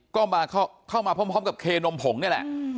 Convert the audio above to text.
ก็เข้ามาพร้อมกับเคนมผงนี่แหละ